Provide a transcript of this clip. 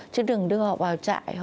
chứ đừng đưa họ vào trại